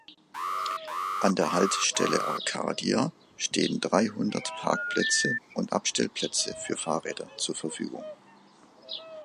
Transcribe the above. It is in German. An der Haltestelle Arcadia stehen dreihundert Parkplätze und Abstellplätze für Fahrräder zur Verfügung.